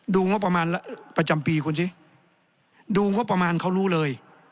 ดูงบประมาณประจำปีคุณสิดูงบประมาณเขารู้เลย